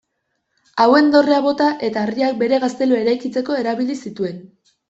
Hauen dorrea bota eta harriak bere gaztelua eraikitzeko erabili zituen.